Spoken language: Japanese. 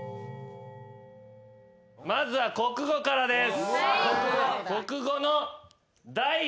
まずは国語からです。